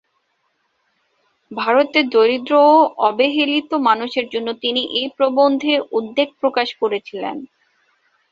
ভারতের দরিদ্র ও অবহেলিত মানুষের জন্য তিনি এই প্রবন্ধে উদ্বেগ প্রকাশ করেছিলেন।